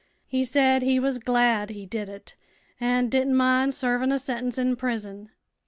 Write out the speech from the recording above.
He said he was glad he did it, an' didn't mind servin' a sentence in prison.